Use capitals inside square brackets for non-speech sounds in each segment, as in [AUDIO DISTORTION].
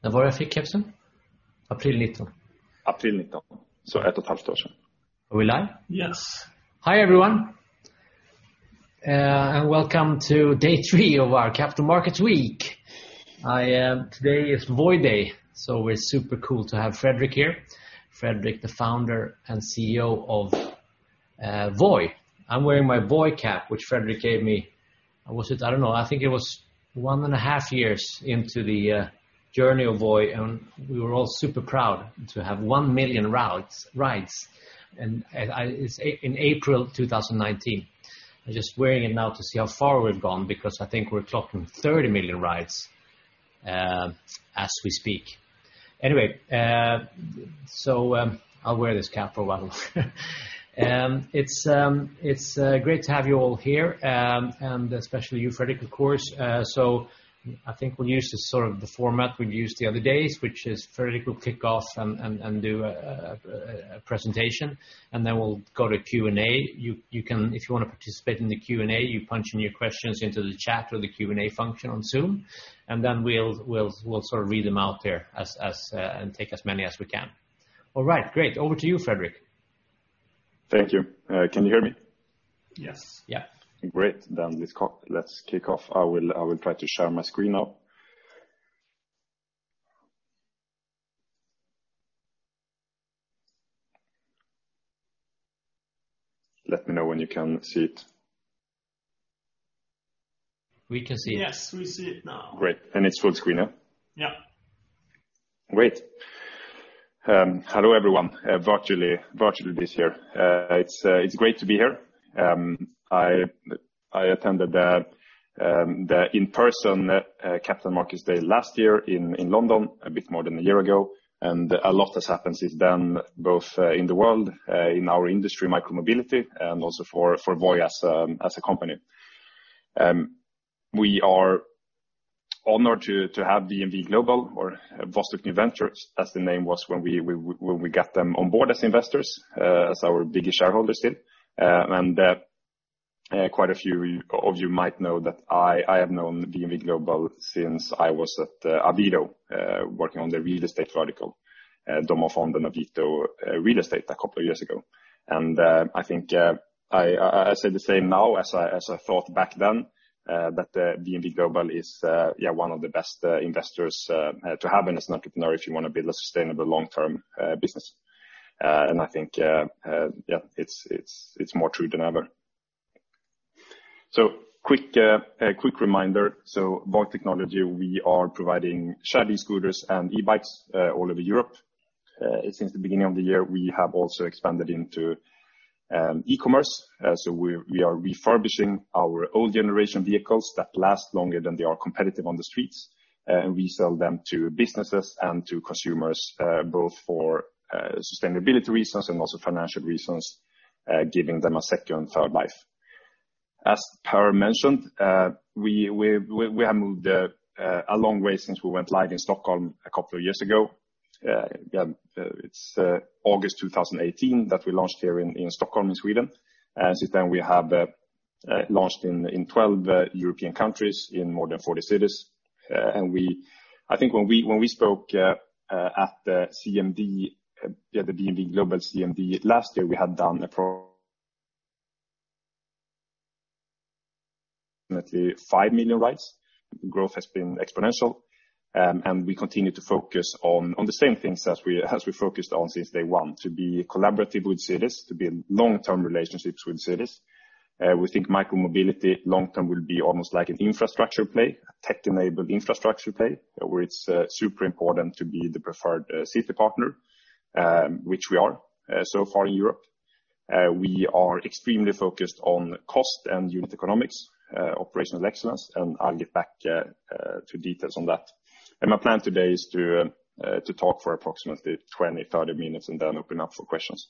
When was it I gave you the cap? April 19th. April 19th. One and a half years ago. Are we live? Yes. Hi, everyone. Welcome to day three of our Capital Markets Week. Today is Voi Day. It's super cool to have Fredrik here. Fredrik, the Founder and CEO of Voi. I'm wearing my Voi cap, which Fredrik gave me. I don't know, I think it was one and a half years into the journey of Voi, and we were all super proud to have 1 million rides in April 2019. I'm just wearing it now to see how far we've gone because I think we're clocking 30 million rides as we speak. I'll wear this cap for a while. It's great to have you all here, and especially you, Fredrik, of course. I think we'll use the sort of the format we've used the other days, which is Fredrik will kick off and do a presentation, and then we'll go to Q&A. If you want to participate in the Q&A, you punch in your questions into the chat or the Q&A function on Zoom. We'll sort of read them out there and take as many as we can. All right. Great. Over to you, Fredrik. Thank you. Can you hear me? Yes. Great. Let's kick off. I will try to share my screen now. Let me know when you can see it. We can see it. Great. It's full screen now? Yeah. Great. Hello, everyone, virtually this year. It's great to be here. I attended the in-person Capital Markets Day last year in London, a bit more than a year ago, and a lot has happened since then, both in the world, in our industry, micro-mobility, and also for Voi as a company. We are honored to have VNV Global or Vostok New Ventures, as the name was when we got them on board as investors, as our biggest shareholders in. Quite a few of you might know that I have known VNV Global since I was at Avito, working on the real estate vertical, Domofond and Avito Real Estate a couple of years ago. I think I say the same now as I thought back then, that VNV Global is one of the best investors to have as an entrepreneur if you want to build a sustainable long-term business. I think it's more true than ever. Quick reminder, Voi Technology, we are providing shared e-scooters and e-bikes all over Europe. Since the beginning of the year, we have also expanded into e-commerce. We are refurbishing our old generation vehicles that last longer than they are competitive on the streets, and we sell them to businesses and to consumers, both for sustainability reasons and also financial reasons, giving them a second, third life. As Per mentioned, we have moved a long way since we went live in Stockholm a couple of years ago. It's August 2018 that we launched here in Stockholm, in Sweden. Since then we have launched in 12 European countries in more than 40 cities. I think when we spoke at the VNV Global CMD last year, we had done approximately 5 million rides. Growth has been exponential. We continue to focus on the same things as we focused on since day one, to be collaborative with cities, to build long-term relationships with cities. We think micro-mobility long-term will be almost like an infrastructure play, a tech-enabled infrastructure play, where it's super important to be the preferred city partner, which we are so far in Europe. We are extremely focused on cost and unit economics, operational excellence. I'll get back to details on that. My plan today is to talk for approximately 20, 30 minutes and then open up for questions.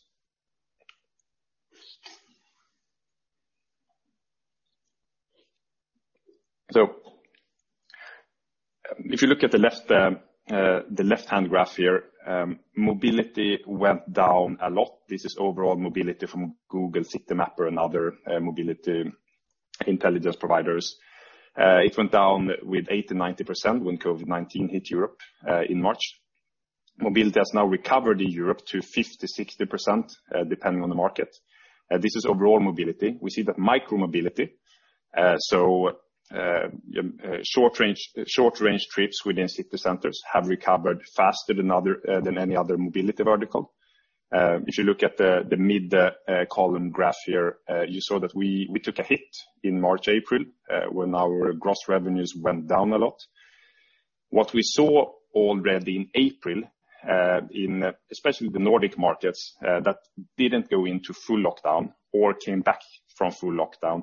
If you look at the left-hand graph here, mobility went down a lot. This is overall mobility from Google Citymapper and other mobility intelligence providers. It went down with 80%, 90% when COVID-19 hit Europe in March. Mobility has now recovered in Europe to 50%, 60%, depending on the market. This is overall mobility. We see that micro-mobility, so short-range trips within city centers have recovered faster than any other mobility vertical. If you look at the mid column graph here, you saw that we took a hit in March, April, when our gross revenues went down a lot. What we saw already in April, in especially the Nordic markets that didn't go into full lockdown or came back from full lockdown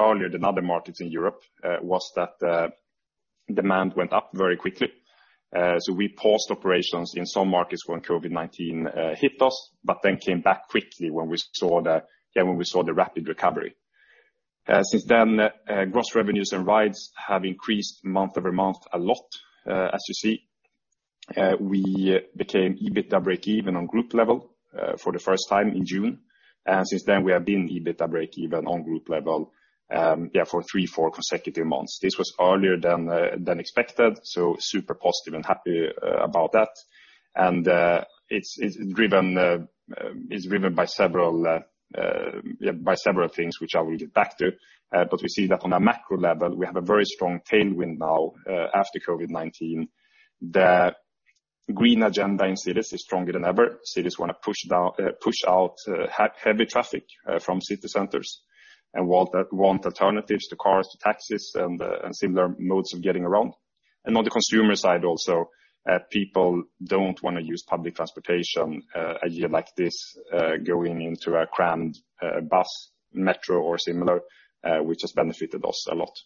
earlier than other markets in Europe, was that demand went up very quickly. We paused operations in some markets when COVID-19 hit us, but then came back quickly when we saw the rapid recovery. Since then, gross revenues and rides have increased month-over-month a lot, as you see. We became EBITDA breakeven on Group level for the first time in June. Since then, we have been EBITDA breakeven on Group level for three, four consecutive months. This was earlier than expected, super positive and happy about that. It's driven by several things, which I will get back to. We see that on a macro level, we have a very strong tailwind now after COVID-19. The green agenda in cities is stronger than ever. Cities want to push out heavy traffic from city centers, and want alternatives to cars, to taxis, and similar modes of getting around. On the consumer side also, people don't want to use public transportation a year like this, going into a crammed bus, metro, or similar, which has benefited us a lot.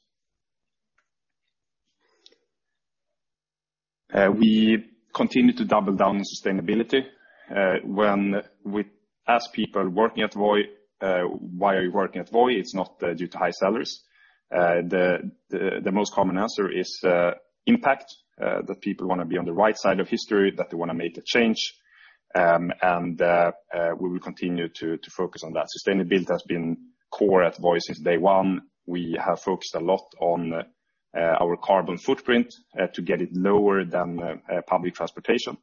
We continue to double down on sustainability. When we ask people working at Voi, "Why are you working at Voi?" It's not due to high salaries. The most common answer is impact, that people want to be on the right side of history, that they want to make a change. We will continue to focus on that. Sustainability has been core at Voi since day one. We have focused a lot on our carbon footprint to get it lower than public transportation.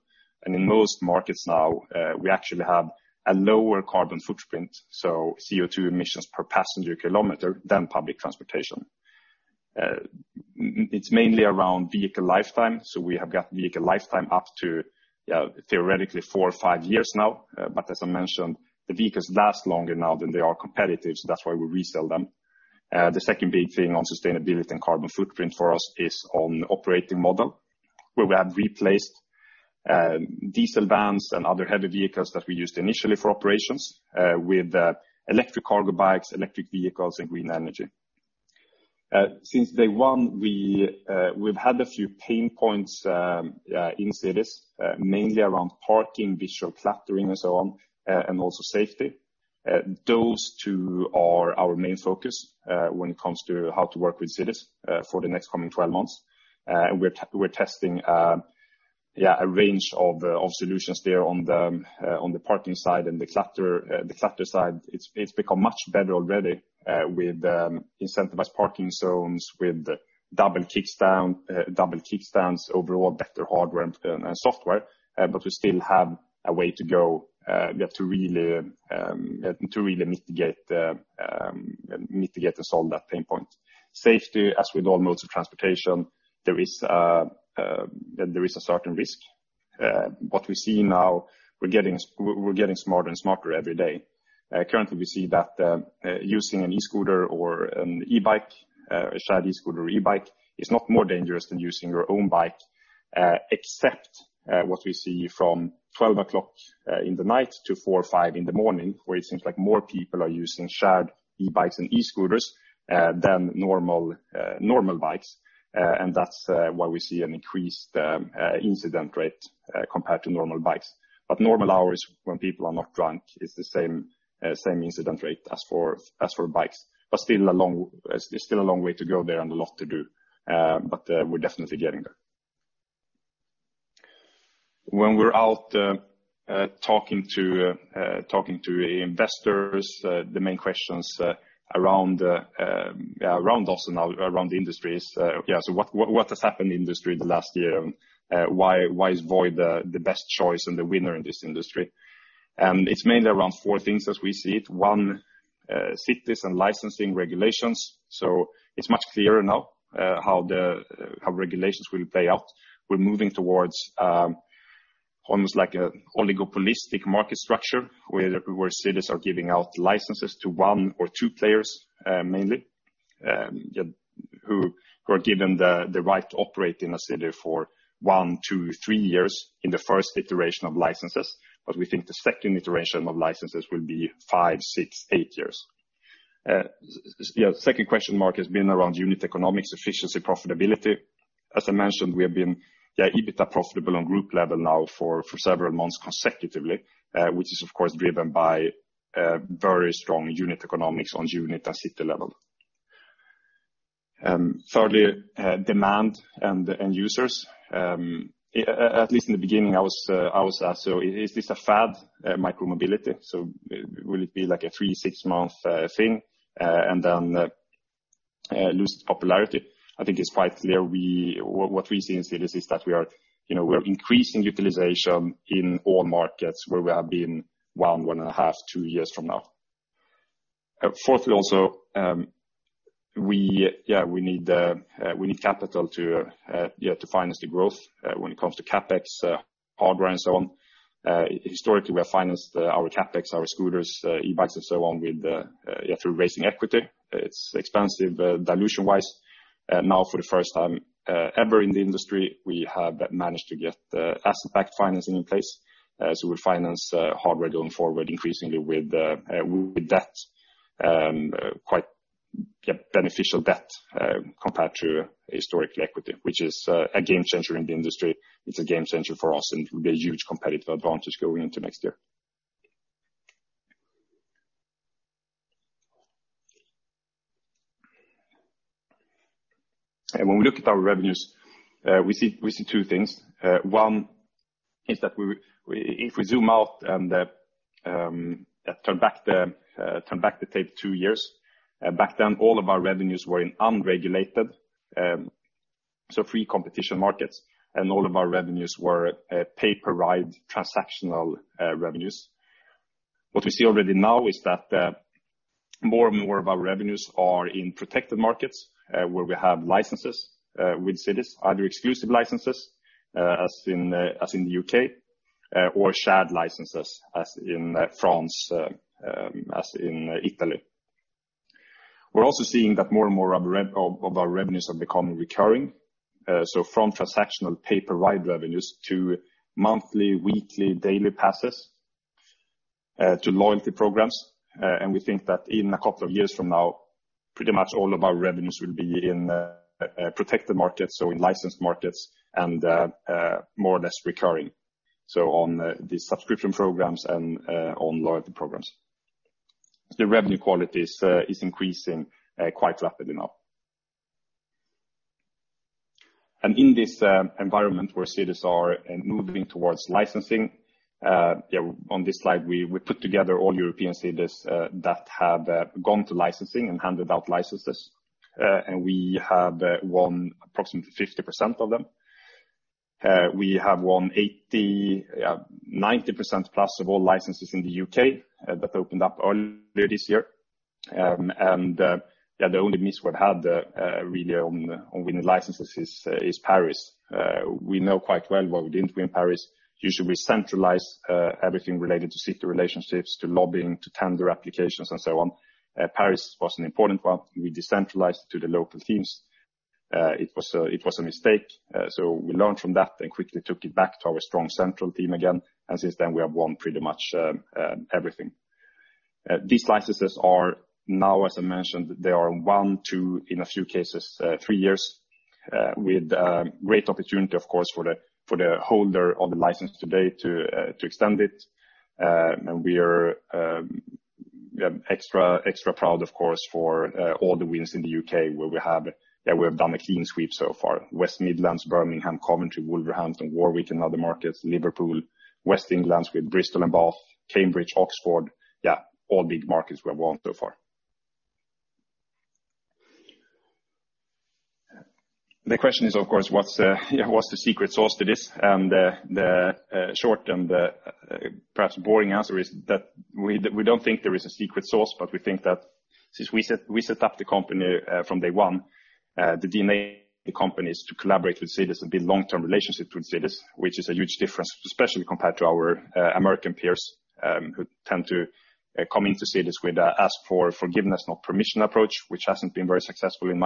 In most markets now, we actually have a lower carbon footprint, so CO2 emissions per passenger kilometer than public transportation. It's mainly around vehicle lifetime, so we have got vehicle lifetime up to theoretically four or five years now. As I mentioned, the vehicles last longer now than they are competitive, so that's why we resell them. The second big thing on sustainability and carbon footprint for us is on operating model, where we have replaced diesel vans and other heavy vehicles that we used initially for operations with electric cargo bikes, electric vehicles, and green energy. Since day one, we've had a few pain points in cities, mainly around parking, visual cluttering, and so on, and also safety. Those two are our main focus when it comes to how to work with cities for the next coming 12 months. We're testing a range of solutions there on the parking side and the clutter side. It's become much better already with incentivized parking zones, with double kickstands, overall better hardware and software. We still have a way to go. We have to really mitigate and solve that pain point. Safety, as with all modes of transportation, there is a certain risk. What we see now, we're getting smarter and smarter every day. Currently, we see that using an e-scooter or an e-bike, a shared e-scooter or e-bike, is not more dangerous than using your own bike, except what we see from 12:00 A.M. in the night to 4:00 A.M., 5:00 A.M. In the morning, where it seems like more people are using shared e-bikes and e-scooters than normal bikes. That's why we see an increased incident rate compared to normal bikes. Normal hours, when people are not drunk, it's the same incident rate as for bikes. There's still a long way to go there and a lot to do. We're definitely getting there. When we're out talking to investors, the main questions around us and around the industry is, what has happened in the industry in the last year? Why is Voi the best choice and the winner in this industry? It's mainly around four things as we see it. One, cities and licensing regulations. It's much clearer now how regulations will play out. We're moving towards almost like an oligopolistic market structure, where cities are giving out licenses to one or two players mainly, who are given the right to operate in a city for one to three years in the first iteration of licenses. We think the second iteration of licenses will be five, six, eight years. Second question mark has been around unit economics, efficiency, profitability. As I mentioned, we have been EBITDA profitable on group level now for several months consecutively, which is of course driven by very strong unit economics on unit and city level. Thirdly, demand and end users. At least in the beginning, I was asked, "Is this a fad, micro-mobility? Will it be like a three-, six-month thing, and then lose its popularity?" I think it's quite clear. What we see in cities is that we're increasing utilization in all markets where we have been one and a half, two years from now. Fourthly, also, we need capital to finance the growth when it comes to CapEx, hardware, and so on. Historically, we have financed our CapEx, our scooters, e-bikes, and so on through raising equity. It's expensive dilution-wise. Now, for the first time ever in the industry, we have managed to get asset-backed financing in place as we finance hardware going forward increasingly with debt. Quite beneficial debt compared to historical equity, which is a game changer in the industry. It's a game changer for us and will be a huge competitive advantage going into next year. When we look at our revenues, we see two things. One is that if we zoom out and turn back the tape two years, back then all of our revenues were in unregulated, so free competition markets, and all of our revenues were pay-per-ride transactional revenues. What we see already now is that more and more of our revenues are in protected markets where we have licenses with cities, either exclusive licenses as in the U.K. or shared licenses as in France, as in Italy. We're also seeing that more and more of our revenues are becoming recurring. From transactional pay-per-ride revenues to monthly, weekly, daily passes to loyalty programs. We think that in a couple of years from now, pretty much all of our revenues will be in protected markets or in licensed markets and more or less recurring. On the subscription programs and on loyalty programs, the revenue quality is increasing quite rapidly now. In this environment where cities are moving towards licensing, on this slide we put together all European cities that have gone to licensing and handed out licenses. We have won approximately 50% of them. We have won 90%+ of all licenses in the U.K. that opened up earlier this year. The only miss we've had really on winning licenses is Paris. We know quite well why we didn't win Paris. Usually we centralize everything related to city relationships, to lobbying, to tender applications and so on. Paris was an important one. We decentralized to the local teams. It was a mistake. We learned from that and quickly took it back to our strong central team again, and since then we have won pretty much everything. These licenses are now, as I mentioned, they are one, two, in a few cases, three years, with great opportunity, of course, for the holder of the license today to extend it. We are extra proud, of course, for all the wins in the U.K. where we have done a clean sweep so far. West Midlands, Birmingham, Coventry, Wolverhampton, Warwick, and other markets, Liverpool, West of England with Bristol and Bath, Cambridge, Oxford, all big markets we have won so far. The question is, of course, what's the secret sauce to this? The short and perhaps boring answer is that we don't think there is a secret sauce, but we think that since we set up the company from day one, the DNA of the company is to collaborate with cities and build long-term relationships with cities, which is a huge difference, especially compared to our American peers, who tend to come into cities with a ask for forgiveness, not permission approach, which hasn't been very successful in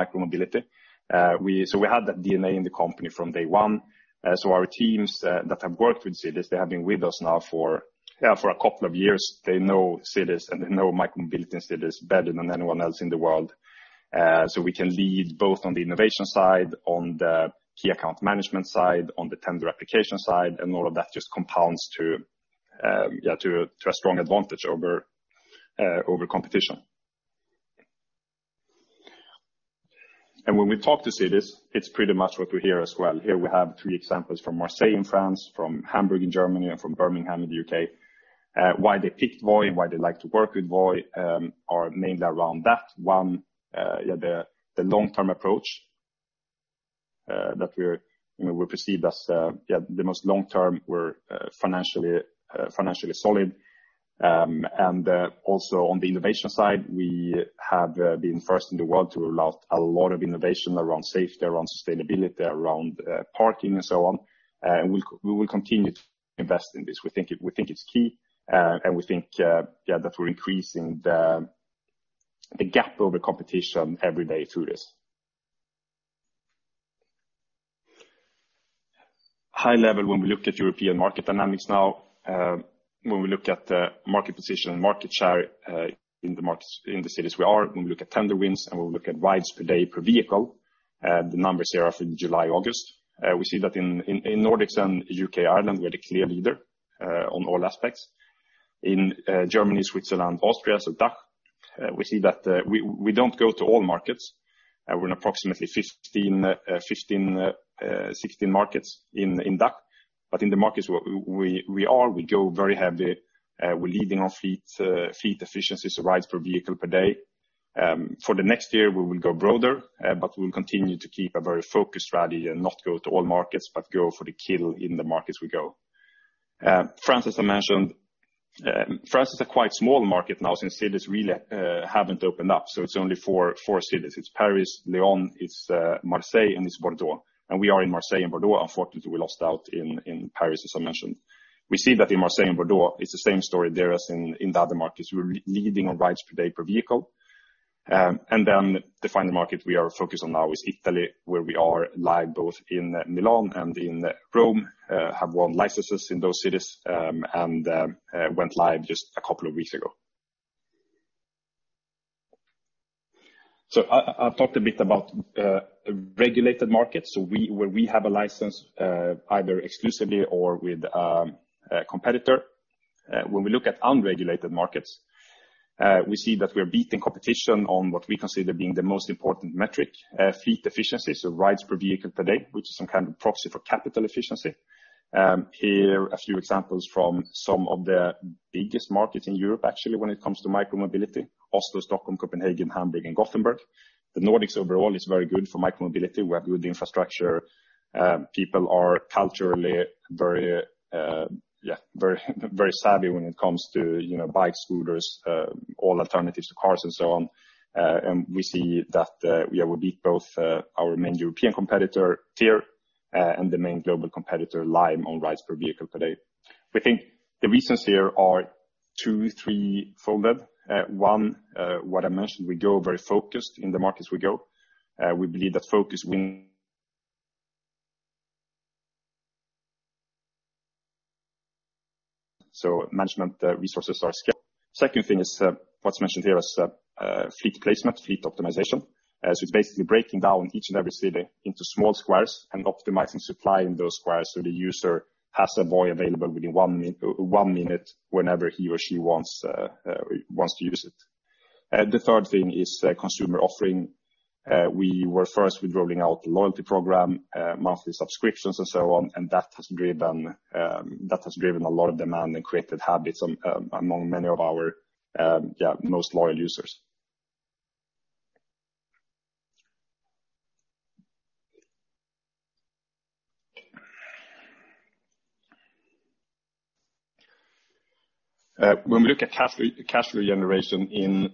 micro-mobility. We had that DNA in the company from day one. Our teams that have worked with cities, they have been with us now for a couple of years. They know cities, and they know micromobility in cities better than anyone else in the world. We can lead both on the innovation side, on the key account management side, on the tender application side, and all of that just compounds to a strong advantage over competition. When we talk to cities, it's pretty much what we hear as well. Here we have three examples from Marseille in France, from Hamburg in Germany, and from Birmingham in the U.K. Why they picked Voi and why they like to work with Voi are mainly around that one, the long-term approach, that we're perceived as the most long-term. We're financially solid. Also on the innovation side, we have been first in the world to roll out a lot of innovation around safety, around sustainability, around parking and so on. We will continue to invest in this. We think it's key, and we think that we're increasing the gap over competition every day through this. High level when we look at European market dynamics now, when we look at the market position, market share in the cities we are, when we look at tender wins, and when we look at rides per day per vehicle, the numbers here are from July, August. We see that in Nordics and U.K., Ireland, we're the clear leader on all aspects. In Germany, Switzerland, Austria, so DACH, we see that we don't go to all markets. We're in approximately 15, 16 markets in DACH. In the markets where we are, we go very heavy. We're leading on fleet efficiency, so rides per vehicle per day. For the next year, we will go broader, but we'll continue to keep a very focused strategy and not go to all markets, but go for the kill in the markets we go. France, as I mentioned. France is a quite small market now since cities really haven't opened up, so it's only four cities. It's Paris, Lyon, it's Marseille, and it's Bordeaux. We are in Marseille and Bordeaux. Unfortunately, we lost out in Paris, as I mentioned. We see that in Marseille and Bordeaux, it's the same story there as in the other markets. We're leading on rides per day per vehicle. The final market we are focused on now is Italy, where we are live both in Milan and in Rome, have won licenses in those cities, and went live just a couple of weeks ago. I've talked a bit about regulated markets, so where we have a license either exclusively or with a competitor. When we look at unregulated markets, we see that we are beating competition on what we consider being the most important metric, fleet efficiency, so rides per vehicle per day, which is some kind of proxy for capital efficiency. Here, a few examples from some of the biggest markets in Europe, actually, when it comes to micromobility, Oslo, Stockholm, Copenhagen, Hamburg, and Gothenburg. The Nordics overall is very good for micro-mobility. We have good infrastructure. People are culturally very savvy when it comes to bike, scooters, all alternatives to cars and so on. We see that we beat both our main European competitor, TIER, and the main global competitor, Lime, on rides per vehicle per day. We think the reasons here are two-, three-folded. One, what I mentioned, we go very focused in the markets we go. We believe that focus wins [AUDIO DISTORTION] Management resources are scarce. Second thing is what's mentioned here is fleet placement, fleet optimization. It's basically breaking down each and every city into small squares and optimizing supply in those squares so the user has a Voi available within one minute whenever he or she wants to use it. The third thing is consumer offering. We were first with rolling out the loyalty program, monthly subscriptions and so on, and that has driven a lot of demand and created habits among many of our most loyal users. When we look at cash flow generation in,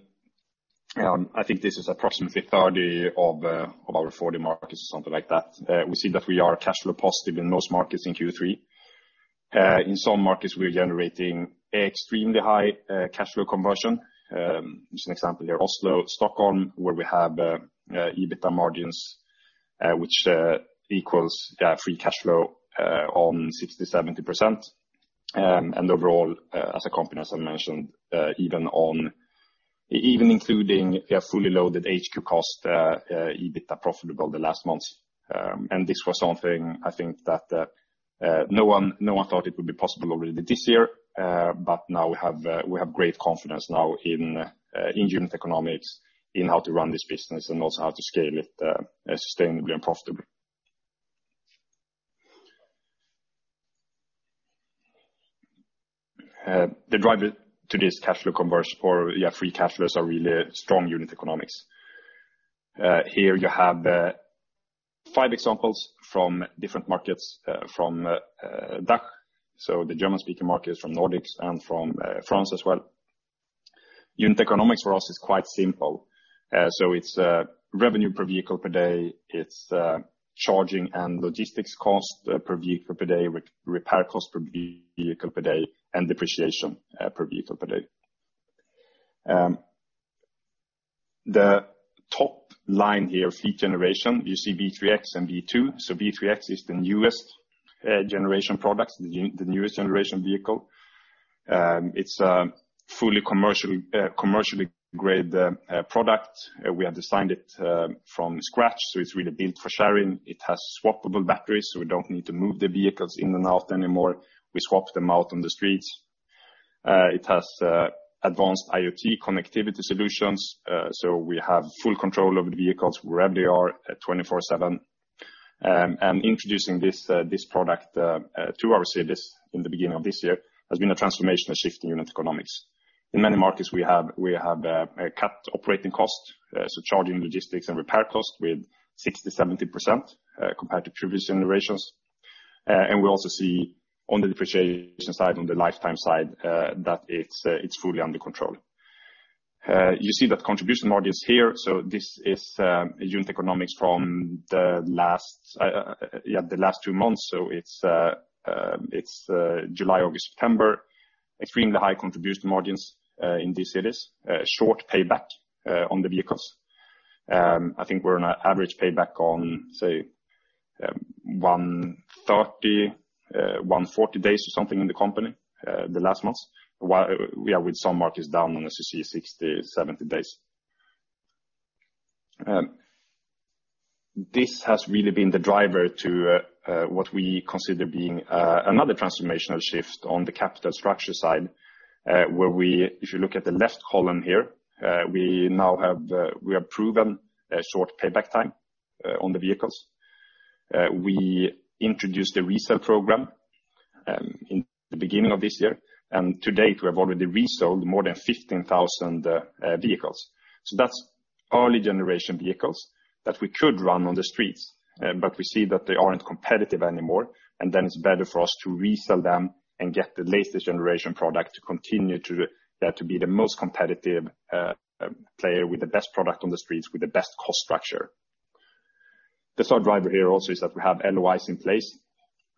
I think this is approximately 30 of our 40 markets or something like that. We see that we are cash flow positive in most markets in Q3. In some markets, we're generating extremely high cash flow conversion. Just an example here, Oslo, Stockholm, where we have EBITDA margins which equals free cash flow on 60%-70%. Overall, as a company, as I mentioned even including a fully-loaded HQ cost, EBITDA profitable the last months. This was something, I think, that no one thought it would be possible already this year. Now we have great confidence now in unit economics in how to run this business and also how to scale it sustainably and profitably. The driver to this cash flow conversion or free cash flows are really strong unit economics. Here you have five examples from different markets, from DACH, so the German-speaking markets, from Nordics and from France as well. Unit economics for us is quite simple. It's revenue per vehicle per day, it's charging and logistics cost per vehicle per day, repair cost per vehicle per day, and depreciation per vehicle per day. The top line here, fleet generation, you see V3X and V2. V3X is the newest generation product, the newest generation vehicle. It's a fully commercially graded product. We have designed it from scratch, so it's really built for sharing. It has swappable batteries, so we don't need to move the vehicles in and out anymore. We swap them out on the streets. It has advanced IoT connectivity solutions, so we have full control over the vehicles wherever they are at 24/7. Introducing this product to our cities in the beginning of this year has been a transformational shift in unit economics. In many markets, we have cut operating costs, so charging, logistics, and repair costs with 60%, 70% compared to previous generations. We also see on the depreciation side, on the lifetime side, that it's fully under control. You see that contribution margins here. This is unit economics from the last two months. It's July, August, September. Extremely high contribution margins in these cities. Short payback on the vehicles. I think we're on an average payback on, say, 130, 140 days or something in the company the last months. With some markets down on the CC 60, 70 days. This has really been the driver to what we consider being another transformational shift on the capital structure side, where we, if you look at the left column here, we have proven a short payback time on the vehicles. We introduced a resale program in the beginning of this year. To date, we have already resold more than 15,000 vehicles. That's early generation vehicles that we could run on the streets, but we see that they aren't competitive anymore. Then it's better for us to resell them to get the latest generation product to continue to be the most competitive player with the best product on the streets with the best cost structure. The third driver here also is that we have LOIs in place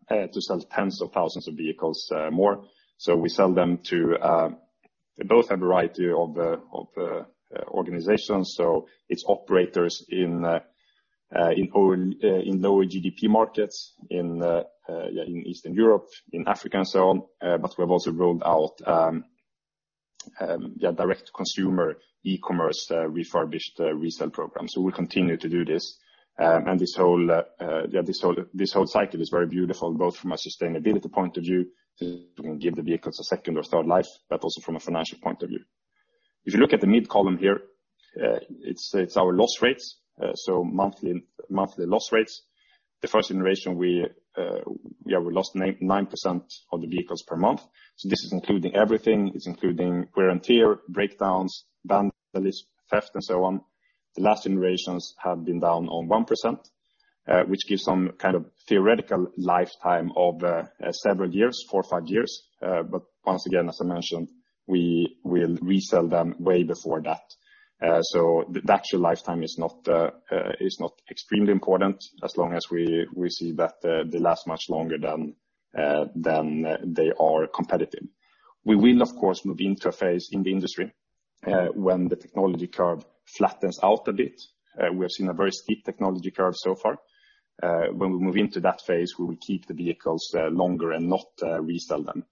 to sell tens of thousands of vehicles more. We sell them to both a variety of organizations. It's operators in lower GDP markets, in Eastern Europe, in Africa, and so on. We have also rolled out direct-to-consumer e-commerce refurbished resale program. We'll continue to do this. This whole cycle is very beautiful, both from a sustainability point of view to give the vehicles a second or third life, but also from a financial point of view. If you look at the mid column here, it's our loss rates, so monthly loss rates. The first generation, we lost 9% of the vehicles per month. This is including everything. It's including wear and tear, breakdowns, vandalism, theft, and so on. The last generations have been down on 1%, which gives some kind of theoretical lifetime of several years, four or five years. Once again, as I mentioned, we will resell them way before that. The actual lifetime is not extremely important as long as we see that they last much longer than they are competitive. We will, of course, move into a phase in the industry when the technology curve flattens out a bit. We have seen a very steep technology curve so far. When we move into that phase, we will keep the vehicles longer and not resell them,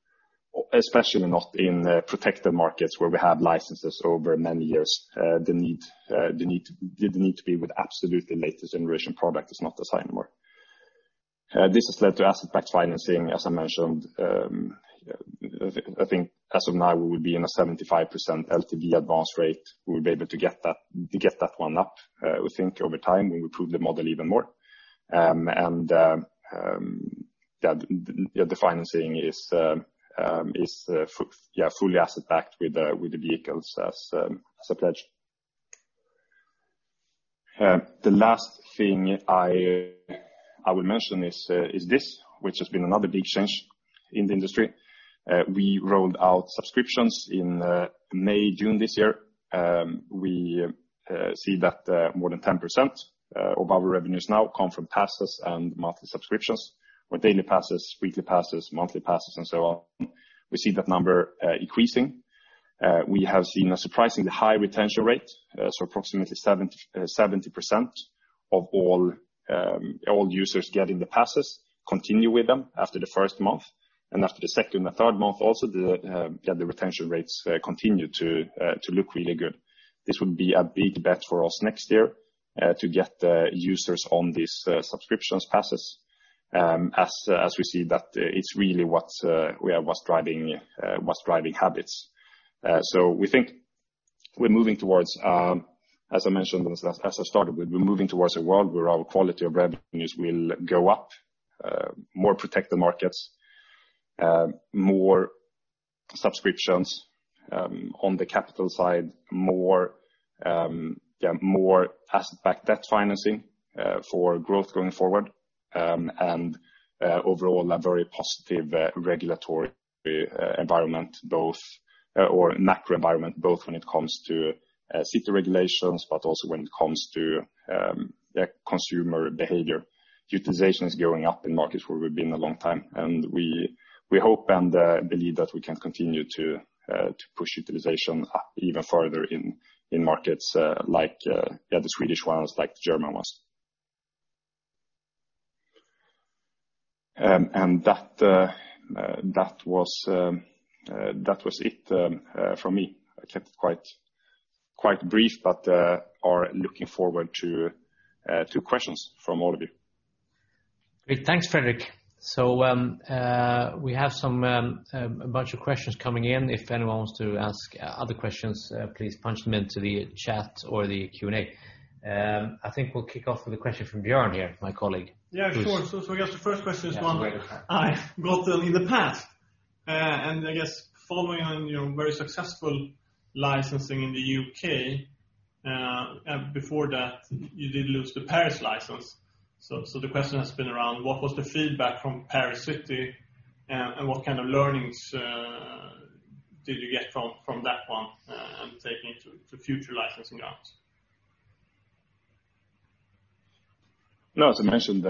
especially not in protected markets where we have licenses over many years. The need to be with absolutely latest generation product is not the same anymore. This has led to asset-backed financing, as I mentioned. I think as of now, we will be in a 75% LTV advance rate. We will be able to get that one up, we think, over time when we prove the model even more. The financing is fully asset backed with the vehicles as pledge. The last thing I will mention is this, which has been another big change in the industry. We rolled out subscriptions in May, June this year. We see that more than 10% of our revenues now come from passes and monthly subscriptions or daily passes, weekly passes, monthly passes, and so on. We see that number increasing. We have seen a surprisingly high retention rate. Approximately 70% of all users getting the passes continue with them after the first month. After the second and the third month also, the retention rates continue to look really good. This will be a big bet for us next year to get users on these subscriptions passes as we see that it's really what's driving habits. We think we're moving towards, as I mentioned, as I started with, we're moving towards a world where our quality of revenues will go up, more protected markets, more subscriptions. On the capital side, more asset-backed debt financing for growth going forward and overall a very positive regulatory environment, or macro environment, both when it comes to city regulations, but also when it comes to consumer behavior. Utilization is going up in markets where we've been a long time, we hope and believe that we can continue to push utilization up even further in markets like the Swedish ones, like the German ones. That was it from me. I kept it quite brief, but are looking forward to questions from all of you. Great. Thanks, Fredrik. We have a bunch of questions coming in. If anyone wants to ask other questions, please punch them into the chat or the Q&A. I think we'll kick off with a question from Björn here, my colleague. Yeah, sure. I guess the first question is one I got in the past. I guess following on your very successful licensing in the U.K., and before that you did lose the Paris license. The question has been around what was the feedback from Paris and what kind of learnings did you get from that one and taking it to future licensing rounds? As I mentioned,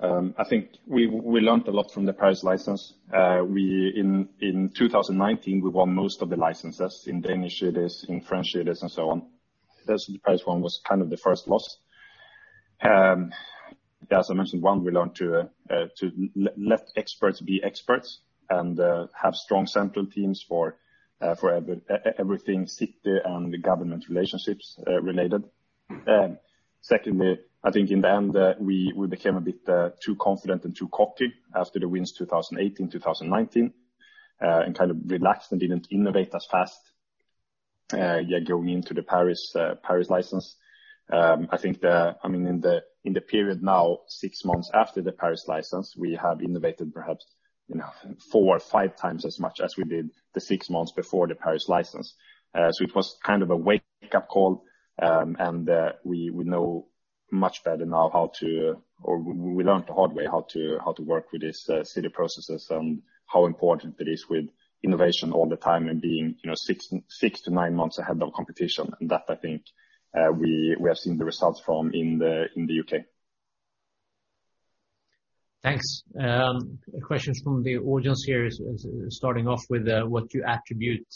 I think we learned a lot from the Paris license. In 2019, we won most of the licenses in Danish cities, in French cities, and so on. The Paris one was kind of the first loss. As I mentioned, one, we learned to let experts be experts and have strong central teams for everything city and the government relationships related. Secondly, I think in the end, we became a bit too confident and too cocky after the wins 2018, 2019, and kind of relaxed and didn't innovate as fast going into the Paris license. I think in the period now, six months after the Paris license, we have innovated perhaps four or five times as much as we did the six months before the Paris license. It was kind of a wake-up call, and we know much better now, or we learned the hard way how to work with these city processes and how important it is with innovation all the time and being six to nine months ahead of competition. That I think we have seen the results from in the U.K. Thanks. Questions from the audience here is starting off with what you attribute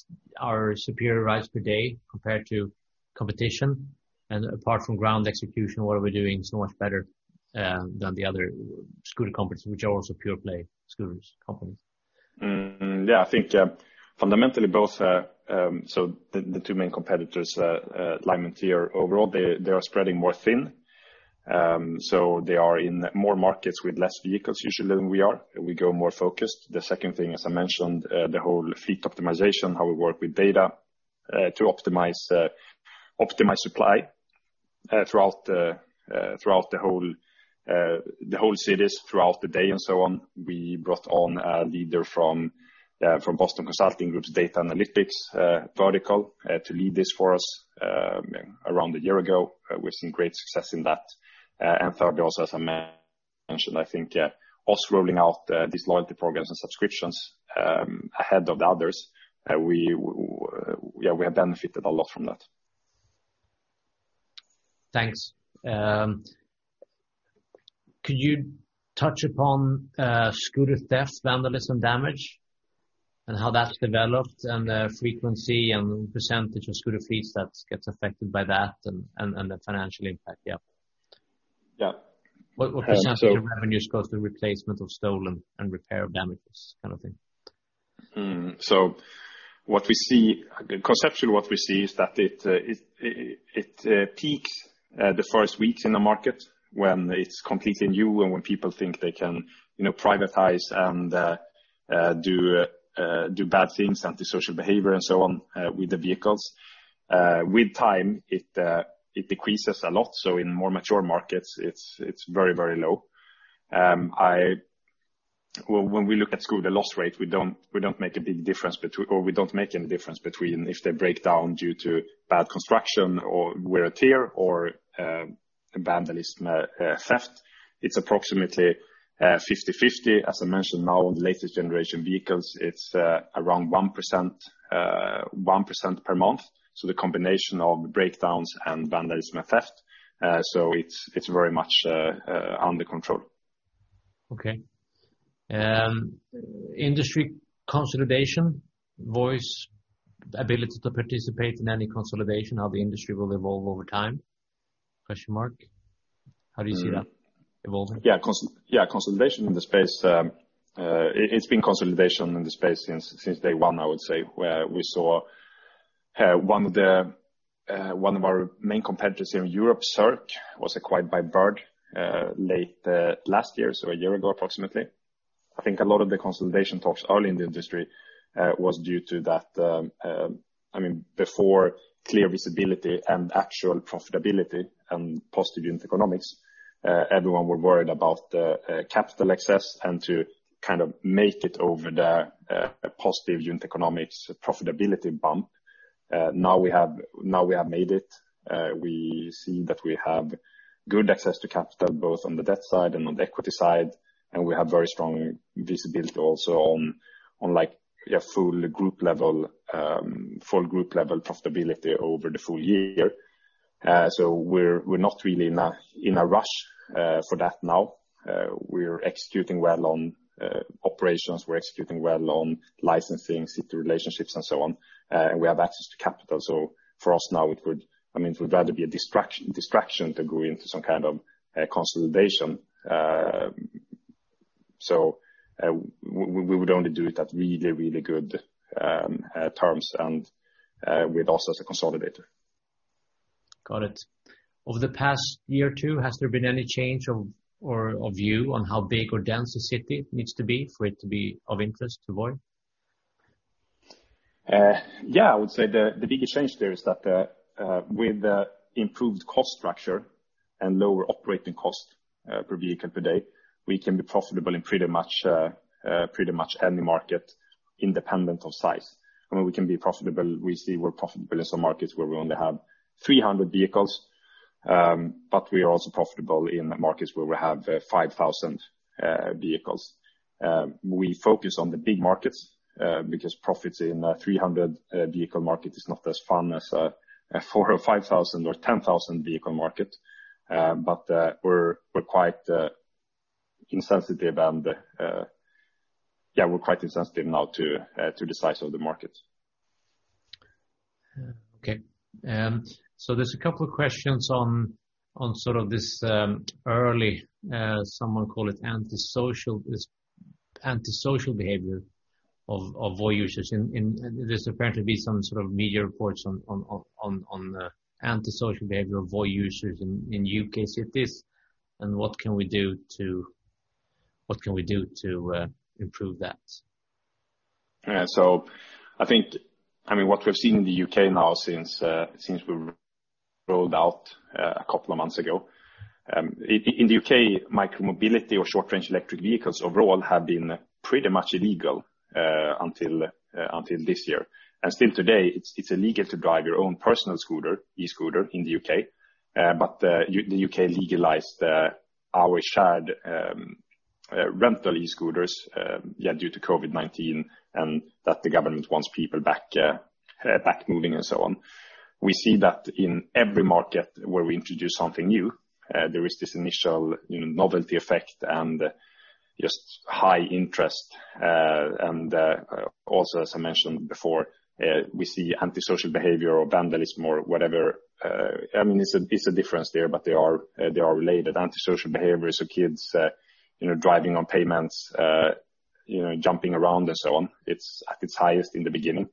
our superior rides per day compared to competition? Apart from ground execution, what are we doing so much better than the other scooter companies, which are also pure play scooter companies? Yeah, I think fundamentally both, the two main competitors, Lime and TIER, overall they are spreading more thin. They are in more markets with less vehicles usually than we are. We go more focused. The second thing, as I mentioned, the whole fleet optimization, how we work with data to optimize supply throughout the whole cities throughout the day and so on. We brought on a leader from Boston Consulting Group's data analytics vertical to lead this for us around a year ago with some great success in that. Third also, as I mentioned, I think, us rolling out these loyalty programs and subscriptions ahead of the others. We have benefited a lot from that. Thanks. Could you touch upon scooter theft, vandalism, damage, and how that's developed, and the frequency and percentage of scooter fleets that gets affected by that and the financial impact, yeah? Yeah. What percentage of revenues goes to replacement of stolen and repair of damages kind of thing? Conceptually what we see is that it peaks the first weeks in the market when it's completely new and when people think they can privatize and do bad things, antisocial behavior and so on with the vehicles. With time, it decreases a lot. In more mature markets, it's very low. When we look at scooter loss rate, we don't make any difference between if they break down due to bad construction or wear and tear or vandalism, theft. It's approximately 50/50. As I mentioned, now with latest generation vehicles, it's around 1% per month, the combination of breakdowns and vandalism and theft. It's very much under control. Okay. Industry consolidation, Voi's ability to participate in any consolidation, how the industry will evolve over time? How do you see that evolving? Consolidation in the space. It's been consolidation in the space since day one, I would say, where we saw one of our main competitors here in Europe, Circ, was acquired by Bird late last year, so a year ago approximately. I think a lot of the consolidation talks early in the industry was due to that before clear visibility and actual profitability and positive unit economics, everyone were worried about the capital access and to kind of make it over the positive unit economics profitability bump. Now we have made it. We see that we have good access to capital both on the debt side and on the equity side, and we have very strong visibility also on full Group-level profitability over the full year. We're not really in a rush for that now. We're executing well on operations, we're executing well on licensing city relationships and so on. We have access to capital. For us now, it would rather be a distraction to go into some kind of consolidation. We would only do it at really good terms and with us as a consolidator. Got it. Over the past year or two, has there been any change of view on how big or dense a city needs to be for it to be of interest to Voi? Yeah, I would say the biggest change there is that with improved cost structure and lower operating cost per vehicle per day, we can be profitable in pretty much any market, independent of size. We can be profitable. We see we're profitable in some markets where we only have 300 vehicles, but we are also profitable in markets where we have 5,000 vehicles. We focus on the big markets because profits in a 300 vehicle market is not as fun as a 4,000 or 5,000 or 10,000 vehicle market. We're quite insensitive now to the size of the markets. Okay. There's a couple of questions on sort of this early someone call it antisocial behavior of Voi users in this apparently be some sort of media reports on the antisocial behavior of Voi users in U.K. cities. What can we do to improve that? Yeah. I think what we've seen in the U.K. now since we rolled out a couple of months ago. In the U.K., micromobility or short-range electric vehicles overall have been pretty much illegal until this year. Still today, it's illegal to drive your own personal scooter, e-scooter in the U.K. The U.K. legalized our shared rental e-scooters due to COVID-19 and that the government wants people back moving and so on. We see that in every market where we introduce something new there is this initial novelty effect and just high interest. Also, as I mentioned before, we see antisocial behavior or vandalism or whatever. It's a difference there, but they are related. Antisocial behavior is the kids driving on pavements. Jumping around and so on. It's at its highest in the beginning.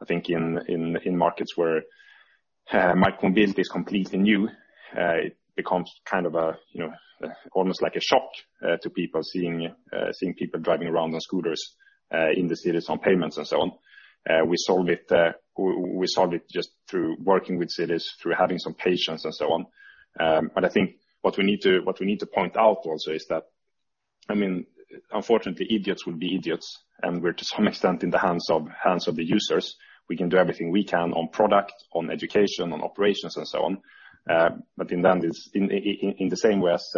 I think in markets where micro-mobility is completely new, it becomes almost like a shock to people seeing people driving around on scooters in the cities, on pavements and so on. We solved it just through working with cities, through having some patience and so on. I think what we need to point out also is that, unfortunately, idiots will be idiots, and we're to some extent in the hands of the users. We can do everything we can on product, on education, on operations and so on. In the same way as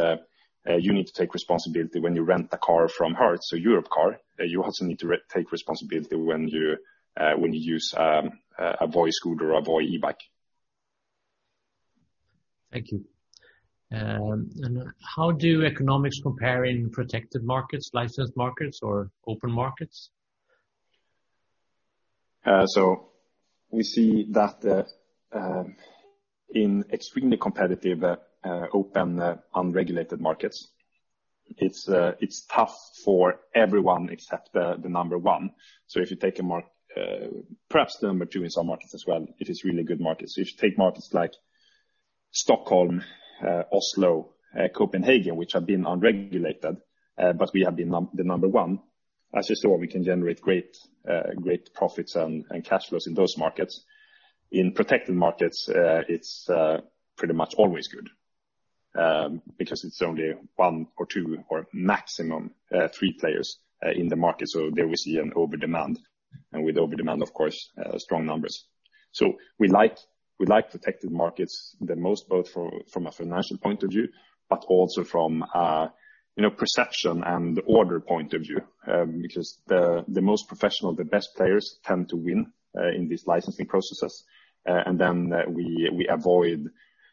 you need to take responsibility when you rent a car from Hertz or Europcar, you also need to take responsibility when you use a Voi scooter or a Voi e-bike. Thank you. How do economics compare in protected markets, licensed markets or open markets? We see that in extremely competitive open, unregulated markets, it's tough for everyone except the number one. If you take perhaps the number two in some markets as well, if it's really good markets. If you take markets like Stockholm, Oslo, Copenhagen, which have been unregulated, but we have been the number one, as you saw, we can generate great profits and cash flows in those markets. In protected markets, it's pretty much always good, because it's only one or two or maximum three players in the market. There we see an overdemand, and with overdemand, of course, strong numbers. We like protected markets the most, both from a financial point of view, but also from perception and order point of view, because the most professional, the best players tend to win in these licensing processes. We avoid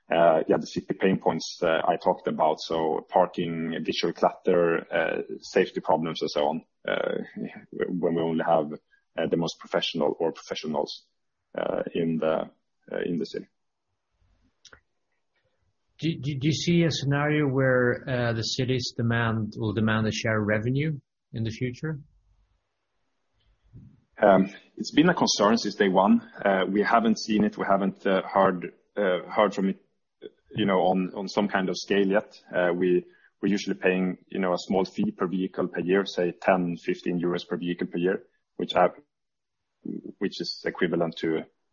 the city pain points that I talked about, so parking, visual clutter, safety problems and so on, when we only have the most professional or professionals in the city. Do you see a scenario where the city will demand a share of revenue in the future? It's been a concern since day one. We haven't seen it, we haven't heard from it on some kind of scale yet. We're usually paying a small fee per vehicle per year, say 10.00 euros, 15.00 euros per vehicle per year.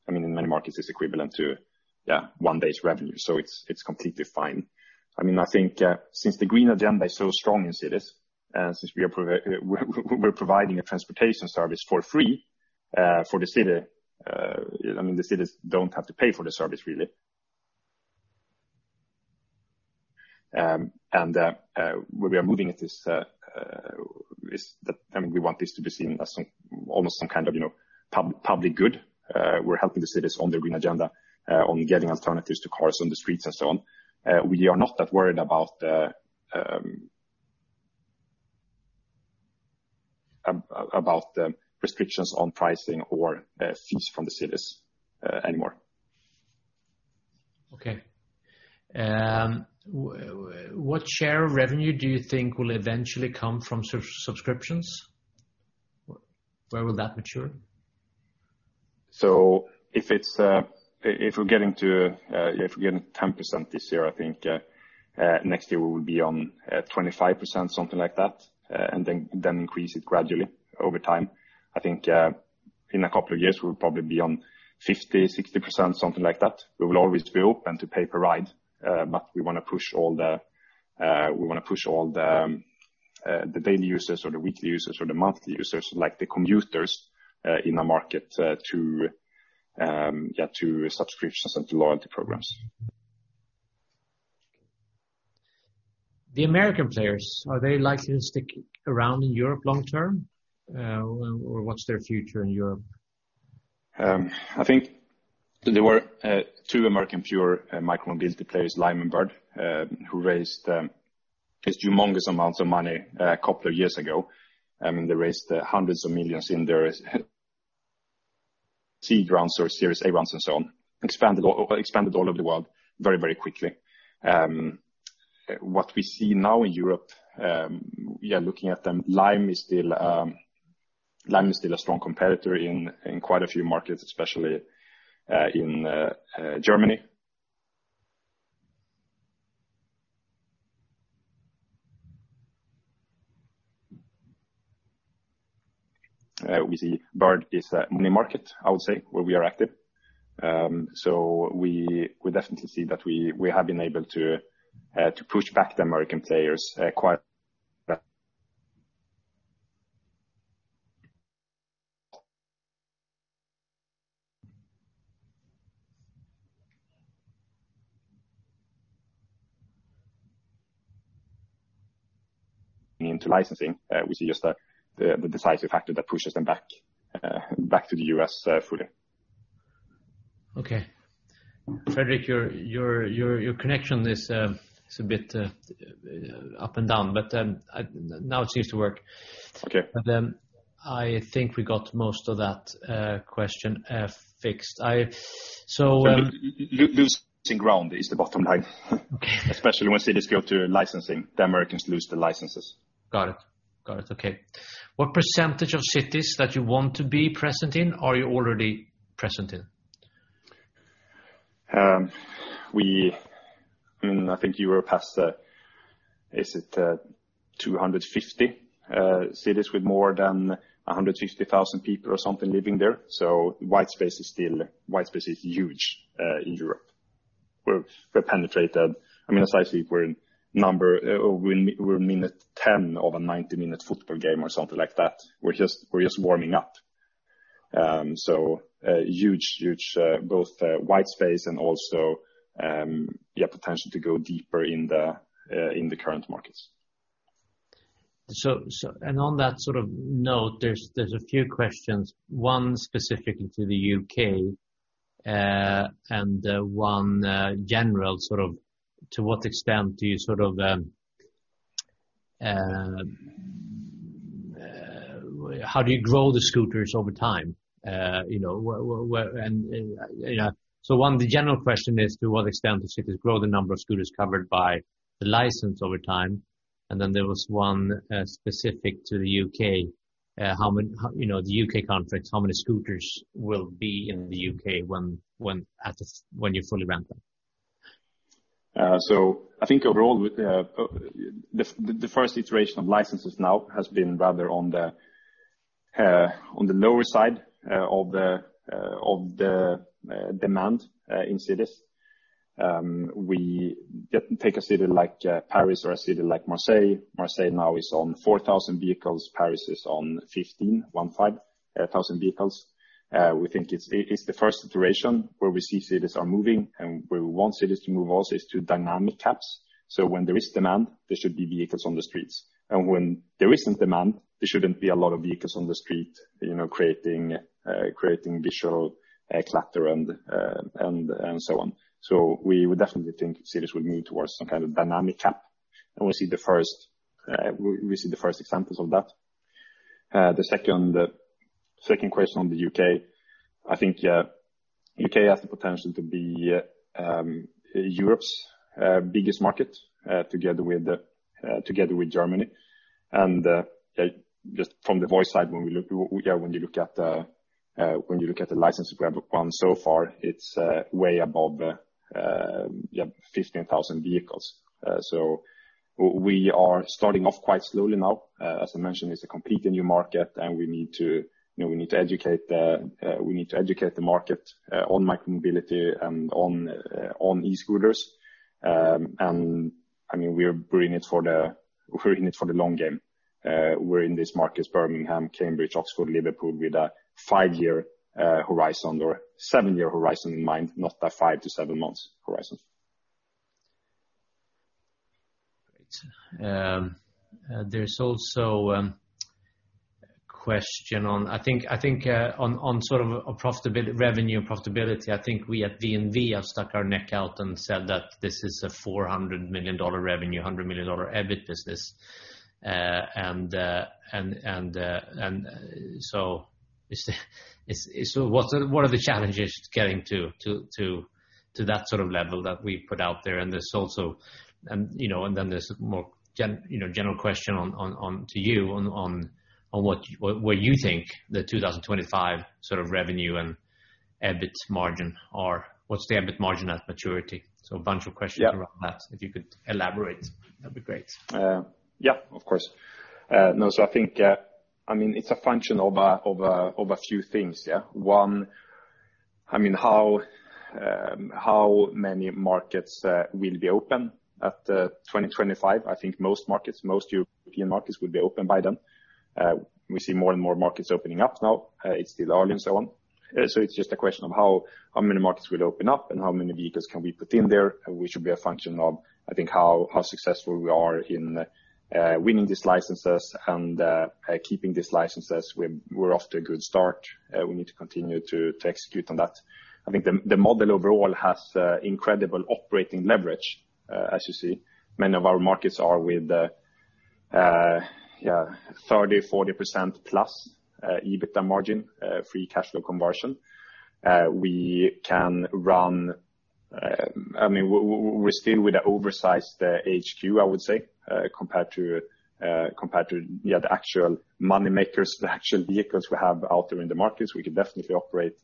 In many markets it's equivalent to one day's revenue. It's completely fine. I think since the green agenda is so strong in cities, since we're providing a transportation service for free for the city, the cities don't have to pay for the service, really. Where we are moving it is that we want this to be seen as almost some kind of public good. We're helping the cities on their green agenda, on getting alternatives to cars on the streets and so on. We are not that worried about the restrictions on pricing or fees from the cities anymore. Okay. What share of revenue do you think will eventually come from subscriptions? Where will that mature? If we're getting to 10% this year, I think next year we will be on 25%, something like that, and then increase it gradually over time. I think in a couple of years, we'll probably be on 50%-60%, something like that. We will always be open to pay-per-rides, but we want to push all the daily users or the weekly users or the monthly users, like the commuters in a market to get to subscriptions and to loyalty programs. The American players, are they likely to stick around in Europe long term? Or what's their future in Europe? I think there were two American pure micromobility players, Lime and Bird, who raised this humongous amounts of money a couple of years ago. They raised hundreds of millions in their C rounds or Series A rounds and so on, expanded all over the world very quickly. What we see now in Europe, looking at them, Lime is still a strong competitor in quite a few markets, especially in Germany. We see Bird is a mini market, I would say, where we are active. We definitely see that we have been able to push back the American players quite into licensing. We see just the decisive factor that pushes them back to the U.S. fully. Okay. Fredrik, your connection is a bit up and down. Now it seems to work. Okay. I think we got most of that question fixed. Losing ground is the bottom line. Okay. Especially once cities go to licensing, the Americans lose the licenses. Got it. Okay. What percentage of cities that you want to be present in are you already present in? I think you were past the Is it 250 cities with more than 160,000 people or something living there? White space is huge in Europe. We're underpenetrated. I mean, essentially we're in minute 10 of a 90-minute football game or something like that. We're just warming up. Huge both white space and also, yeah, potential to go deeper in the current markets. On that sort of note, there's a few questions, one specifically to the U.K., and one general, to what extent do you grow the scooters over time? One, the general question is to what extent the cities grow the number of scooters covered by the license over time. Then there was one specific to the U.K., the U.K. conflict: how many scooters will be in the U.K. when you fully ramp up? I think overall, the first iteration of licenses now has been rather on the lower side of the demand in cities. Take a city like Paris or a city like Marseille. Marseille now is on 4,000 vehicles, Paris is on 15,000 vehicles. We think it's the first iteration where we see cities are moving, and where we want cities to move also is to dynamic caps. When there is demand, there should be vehicles on the streets. When there isn't demand, there shouldn't be a lot of vehicles on the street creating visual clutter and so on. We would definitely think cities would move towards some kind of dynamic cap, and we see the first examples of that. The second question on the U.K., I think U.K. has the potential to be Europe's biggest market, together with Germany. Just from the Voi side, when you look at the license we have won so far, it's way above 15,000 vehicles. We are starting off quite slowly now. As I mentioned, it's a completely new market and we need to educate the market on micromobility and on e-scooters. We're in it for the long game. We're in these markets, Birmingham, Cambridge, Oxford, Liverpool, with a five-year horizon or seven-year horizon in mind, not a five to seven months horizon. Great. There's also question on, I think, on sort of revenue and profitability. I think we at VNV have stuck our neck out and said that this is a $400 million revenue, $100 million EBIT business. What are the challenges getting to that sort of level that we've put out there? There's a more general question to you on what you think the 2025 sort of revenue and EBIT margin are. What's the EBIT margin at maturity? A bunch of questions around that. If you could elaborate, that'd be great. Yeah, of course. I think, it's a function of a few things. One, how many markets will be open at 2025? I think most European markets will be open by then. We see more and more markets opening up now. It's still early and so on. It's just a question of how many markets will open up and how many vehicles can we put in there, which will be a function of, I think, how successful we are in winning these licenses and keeping these licenses. We're off to a good start. We need to continue to execute on that. I think the model overall has incredible operating leverage, as you see. Many of our markets are with 30%, 40%+ EBITDA margin, free cash flow conversion. We're still with an oversized HQ, I would say, compared to the actual money makers, the actual vehicles we have out there in the markets. We could definitely operate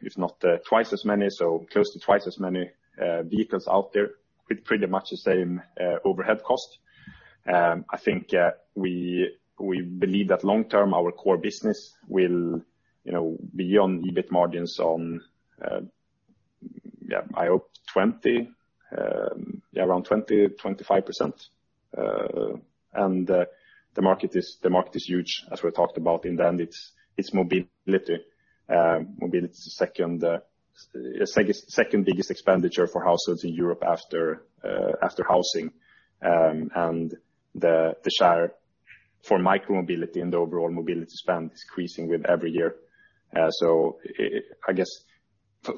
if not twice as many, so close to twice as many vehicles out there with pretty much the same overhead cost. I think we believe that long term, our core business will be on EBIT margins on, I hope 20%-25%. The market is huge, as we talked about. In the end, it's mobility. Mobility is the second biggest expenditure for households in Europe after housing. The share for micromobility and the overall mobility spend is increasing with every year. I guess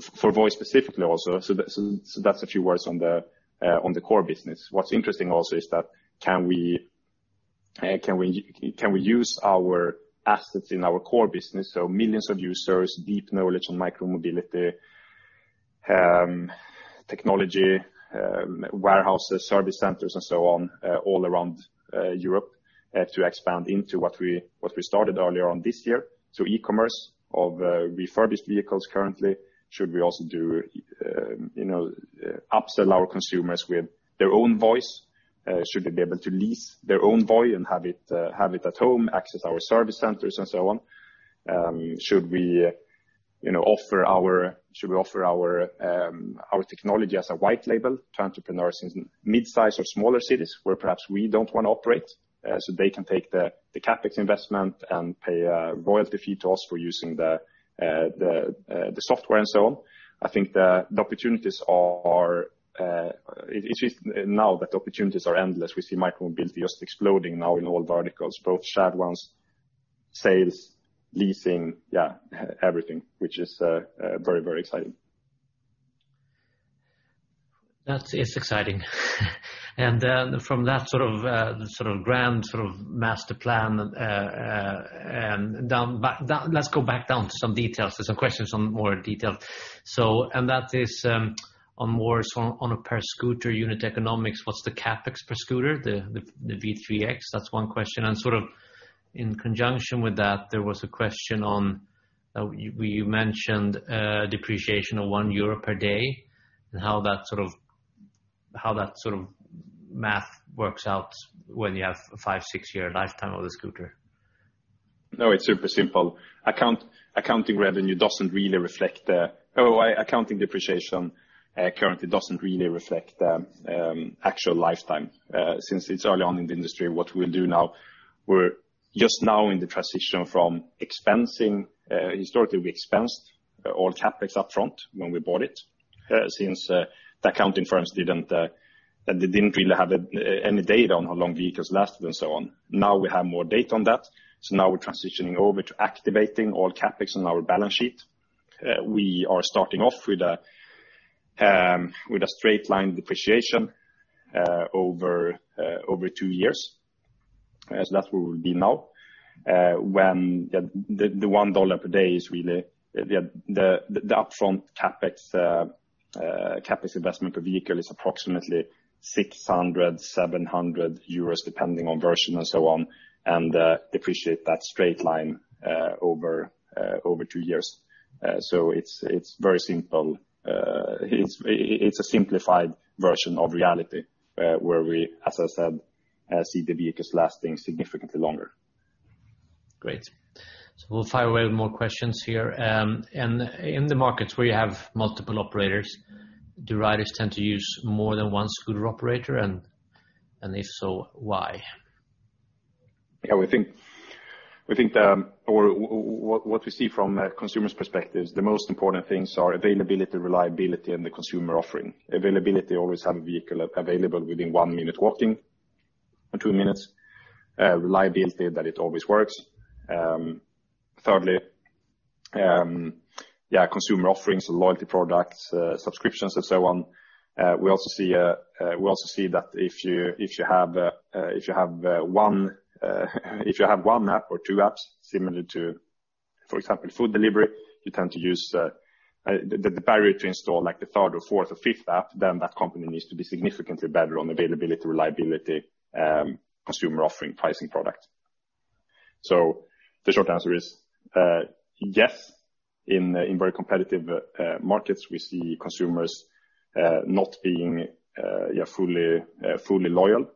for Voi specifically also, so that's a few words on the core business. What's interesting also is that can we use our assets in our core business, so millions of users, deep knowledge on micromobility, technology, warehouses, service centers, and so on all around Europe to expand into what we started earlier on this year. E-commerce of refurbished vehicles currently, should we also upsell our consumers with their own Vois? Should they be able to lease their own Voi and have it at home, access our service centers, and so on? Should we offer our technology as a white label to entrepreneurs in mid-size or smaller cities where perhaps we don't want to operate, so they can take the CapEx investment and pay a royalty fee to us for using the software and so on? I think that now that the opportunities are endless, we see micro-mobility just exploding now in all verticals, both shared ones, sales, leasing, everything, which is very exciting. That is exciting. From that sort of grand master plan, let's go back down to some details. There's some questions on more detail. On a per-scooter unit economics, what's the CapEx per scooter, the V3X? That's one question. Sort of in conjunction with that, there was a question on, you mentioned depreciation of 1.00 euro per day, and how that sort of math works out when you have a five-, six-year lifetime of the scooter. It's super simple. Accounting depreciation currently doesn't really reflect the actual lifetime. It's early on in the industry, what we'll do now, we're just now in the transition from expensing. Historically, we expensed all CapEx up front when we bought it. The accounting firms didn't really have any data on how long vehicles lasted and so on. We have more data on that, so now we're transitioning over to activating all CapEx on our balance sheet. We are starting off with a straight-line depreciation over two years, as that's where we'll be now. When the $1.00 per day is really the upfront CapEx investment per vehicle is approximately 600, 700 euros depending on version and so on, and depreciate that straight line over two years. It's very simple. It's a simplified version of reality, where we, as I said, see the vehicles lasting significantly longer. Great. We'll fire away with more questions here. In the markets where you have multiple operators, do riders tend to use more than one scooter operator? If so, why? Yeah, what we see from a consumer's perspective, the most important things are availability, reliability, and the consumer offering. Availability, always have a vehicle available within one minute walking or two minutes. Reliability, that it always works. Thirdly, consumer offerings, loyalty products, subscriptions, and so on. We also see that if you have one app or two apps similar to, for example, food delivery, you tend to use the barrier to install like the third or fourth or fifth app, then that company needs to be significantly better on availability, reliability, consumer offering, pricing, product. The short answer is yes. In very competitive markets, we see consumers not being fully loyal.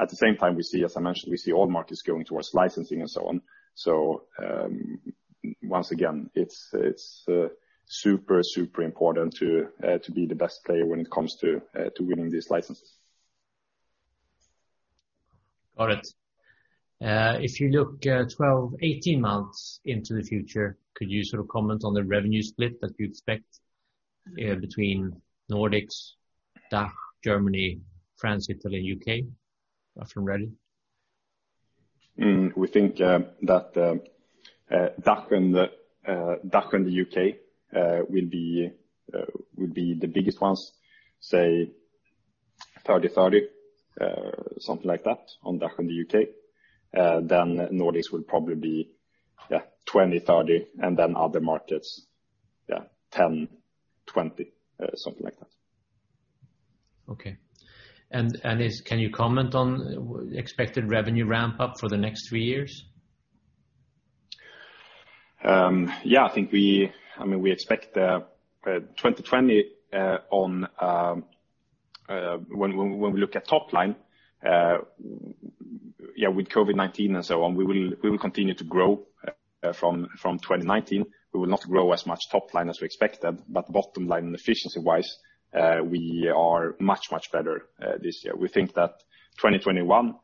At the same time, we see, as I mentioned, we see all markets going towards licensing and so on. Once again, it's super important to be the best player when it comes to winning these licenses. Got it. If you look 12, 18 months into the future, could you sort of comment on the revenue split that you'd expect between Nordics, DACH, Germany, France, Italy, UK from Voi? We think that DACH and the U.K. will be the biggest ones, say 30%-30%, something like that on DACH and the U.K. Nordics will probably be 20%-30%, and other markets, 10%-20%, something like that. Okay. Can you comment on expected revenue ramp-up for the next three years? Yeah. We expect 2020 when we look at top line, with COVID-19 and so on, we will continue to grow from 2019. We will not grow as much top line as we expected, but bottom line and efficiency-wise, we are much, much better this year. We think that 2021,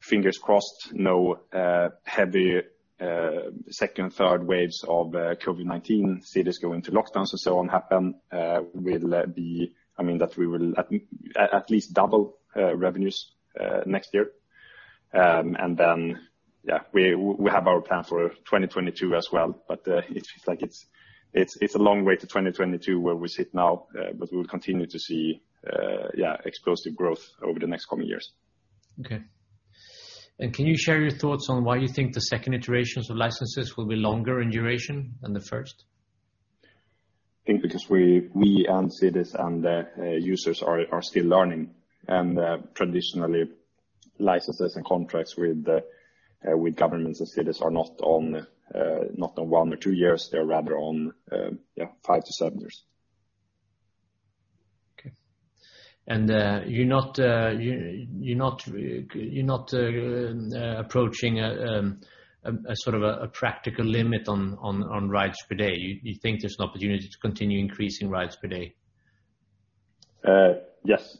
fingers crossed, no heavy second, third waves of COVID-19, cities going to lockdowns and so on happen, that we will at least double revenues next year. Then, we have our plan for 2022 as well, but it's a long way to 2022 where we sit now, but we'll continue to see explosive growth over the next coming years. Okay. Can you share your thoughts on why you think the second iterations of licenses will be longer in duration than the first? I think because we and cities and the users are still learning. Traditionally, licenses and contracts with governments and cities are not on one or two years, they're rather on five to seven years. Okay. You're not approaching a practical limit on rides per day. You think there's an opportunity to continue increasing rides per day? Yes,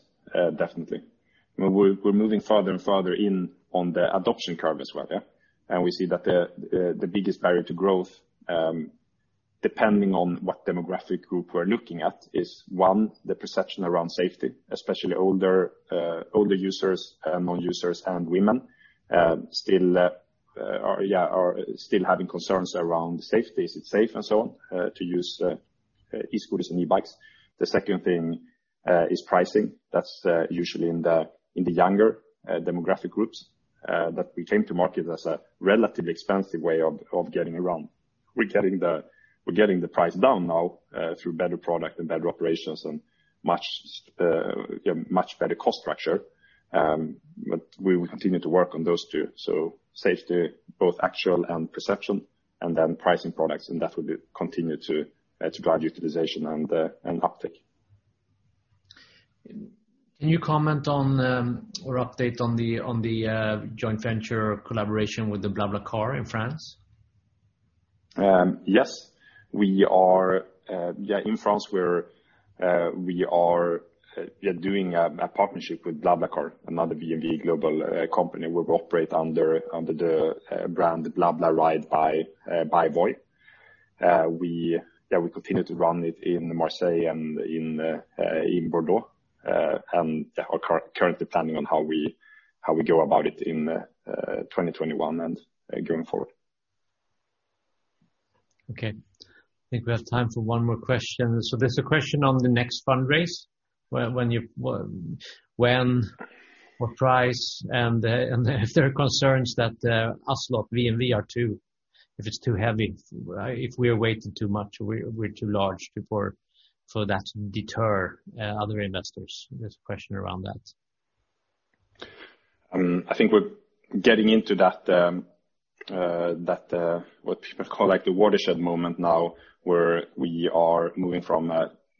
definitely. We're moving further and further in on the adoption curve as well. Yeah. We see that the biggest barrier to growth, depending on what demographic group we're looking at, is one, the perception around safety, especially older users, non-users, and women are still having concerns around safety, is it safe and so on, to use e-scooters and e-bikes? The second thing is pricing. That's usually in the younger demographic groups, that we came to market as a relatively expensive way of getting around. We're getting the price down now through better product and better operations and much better cost structure. We will continue to work on those two. Safety, both actual and perception, and then pricing products, and that will be continued to drive utilization and uptick. Can you comment on or update on the joint venture collaboration with the BlaBlaCar in France? Yes. In France, we are doing a partnership with BlaBlaCar, another VNV Global company, where we operate under the brand BlaBla Ride by Voi. We continue to run it in Marseille and in Bordeaux, and are currently planning on how we go about it in 2021 and going forward. Okay. I think we have time for one more question. There's a question on the next fundraise. When, what price, and if there are concerns that us lot, VNV, if it's too heavy, if we are weighting too much, we're too large for that to deter other investors? There's a question around that. I think we're getting into that, what people call the watershed moment now, where we are moving from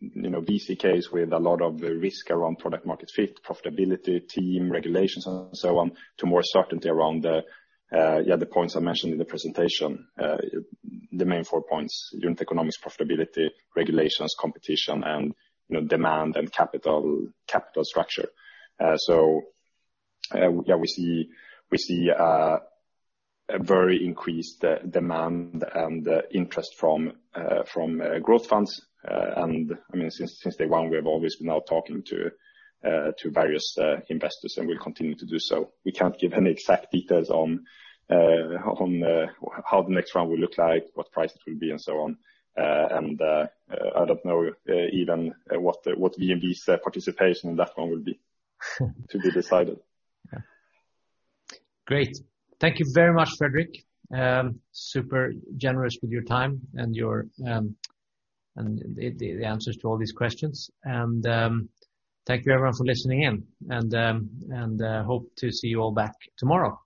VC case with a lot of risk around product market fit, profitability, team, regulations, and so on, to more certainty around the other points I mentioned in the presentation. The main four points, unit economics, profitability, regulations, competition, and demand and capital structure. We see a very increased demand and interest from growth funds. Since day one, we have always been out talking to various investors, and we'll continue to do so. We can't give any exact details on how the next round will look like, what prices will be and so on. I don't know even what VNV's participation in that one will be. To be decided. Yeah. Great. Thank you very much, Fredrik. Super generous with your time and the answers to all these questions. Thank you everyone for listening in, and hope to see you all back tomorrow.